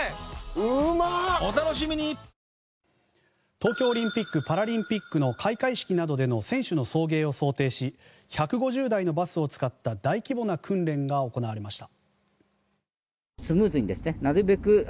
東京オリンピック・パラリンピックの開会式などでの選手の送迎を想定し１５０台のバスを使った大規模な訓練が行われました。